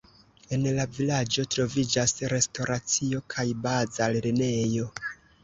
En la vilaĝo troviĝas restoracio kaj baza lernejo.